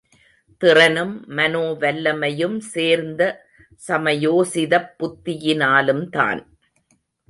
திறனும் மனோ வல்லமையும் சேர்ந்த சமயோசிதப் புத்தியினாலுந்தான்.